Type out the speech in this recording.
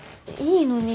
いいのに。